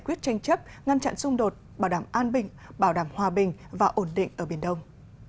quyết tranh chấp ngăn chặn xung đột bảo đảm an bình bảo đảm hòa bình và ổn định ở biển đông